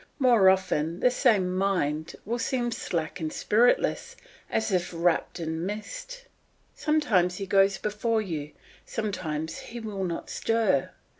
More often this same mind will seem slack and spiritless, as if wrapped in mist. Sometimes he goes before you, sometimes he will not stir.